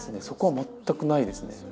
そこは全くないですね